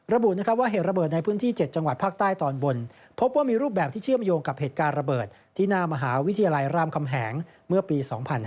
ระบุว่าเหตุระเบิดในพื้นที่๗จังหวัดภาคใต้ตอนบนพบว่ามีรูปแบบที่เชื่อมโยงกับเหตุการณ์ระเบิดที่หน้ามหาวิทยาลัยรามคำแหงเมื่อปี๒๕๕๙